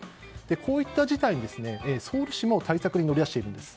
こういった事態に、ソウル市も対策に乗り出しているんです。